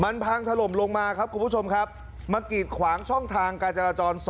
มันพังถล่มลงมาครับคุณผู้ชมครับมากีดขวางช่องทางการจราจร